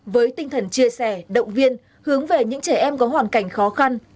với tinh thần chia sẻ động viên hướng về những trẻ em có hoàn cảnh khó khăn